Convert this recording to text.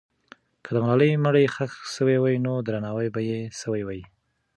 که د ملالۍ مړی ښخ سوی وي، نو درناوی به یې سوی وي.